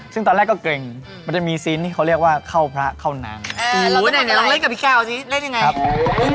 ซึ่งตอนแรกก็เกร็งมันจะมีซีสที่เขาเรียกว่าเข้าพระเข้านาง